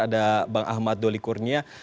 ada bang ahmad doli kurnia